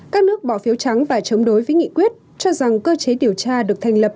các nước bỏ phiếu trắng và chống đối với nghị quyết cho rằng cơ chế điều tra được thành lập